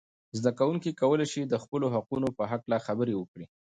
زده کوونکي کولای سي د خپلو حقونو په هکله خبرې وکړي.